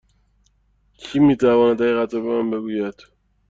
کی می تواند حقیقت را به من بگوید؟